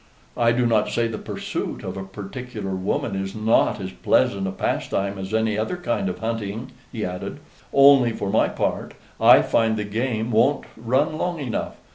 I do not say the pursuit of a particular woman is not as pleasant a pastime as any other kind of hunting," he added; "only, for my part, I find the game won't run long enough.